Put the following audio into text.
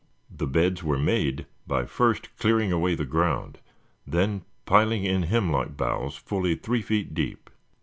The beds were made by first clearing away the ground, then piling in hemlock boughs fully three feet deep.